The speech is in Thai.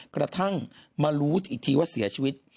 กระทั่งมารู้อีกทีว่าเสียชีวิต